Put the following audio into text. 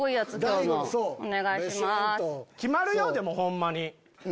決まるよでもホンマに。